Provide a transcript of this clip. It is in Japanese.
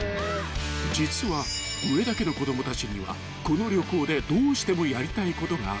［実は上田家の子供たちにはこの旅行でどうしてもやりたいことがあった］